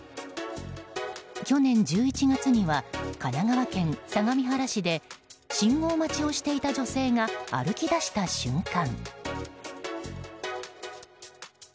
去年１１月には神奈川県相模原市で信号待ちをしていた女性が歩き出した瞬間。